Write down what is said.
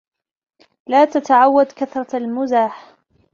لَا تَتَعَوَّدْ كَثْرَةَ الْمَزَّاحِ.